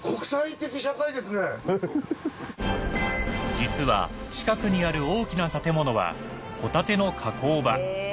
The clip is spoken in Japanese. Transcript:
実は近くにある大きな建物はホタテの加工場。